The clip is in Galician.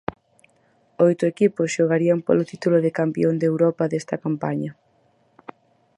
Oito equipos xogarían polo título de campión de Europa desta campaña.